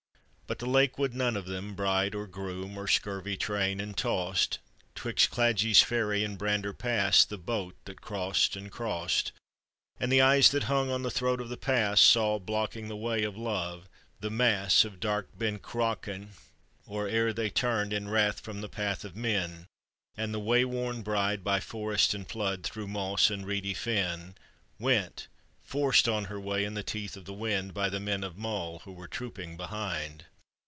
But the lake would none of them, bride or groom, Or scurvy train, and tossed, 'Twixt Cladich ferry and Brander Pass, The boat that crossed and crossed ; And the eyes that hung on the throat of the pass Saw, blocking the way of love, the muss Of dark Ben Cruachan, or ere they turned In wrath from the path of men ;' And the way worn bride, by forest and flood, Through moss and reedy fen, Went, forced on her way in the teeth of the wind By the men of Mull who were trooping behind.